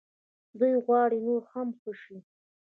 دوی غواړي نور هم ښه شي.